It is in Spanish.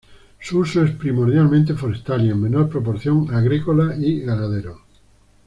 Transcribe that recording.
Su uso es primordialmente forestal y en menor proporción agrícola y ganadero.